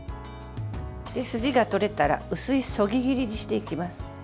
筋が取れたら薄いそぎ切りにしていきます。